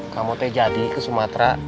kamu teh jadi ke sumatera